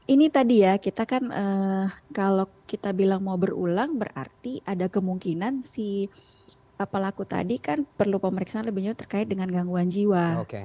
ini tadi ya kita kan kalau kita bilang mau berulang berarti ada kemungkinan si pelaku tadi kan perlu pemeriksaan lebih jauh terkait dengan gangguan jiwa